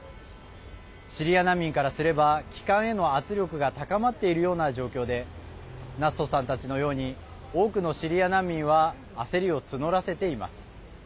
シリア難民からすれば帰還への圧力が高まっているような状況でナッソさんたちのように多くのシリア難民は焦りを募らせています。